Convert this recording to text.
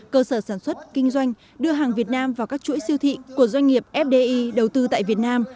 cơ sở sản xuất kinh doanh đưa hàng việt nam vào các chuỗi siêu thị của doanh nghiệp fdi đầu tư tại việt nam